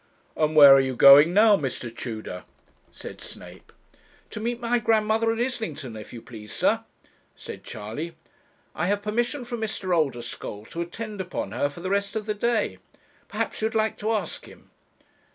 'And where are you going now, Mr. Tudor?' said Snape. 'To meet my grandmother at Islington, if you please, sir,' said Charley. 'I have permission from Mr. Oldeschole to attend upon her for the rest of the day perhaps you would like to ask him.'